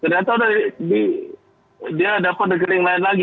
ternyata dia dapat rekening lain lagi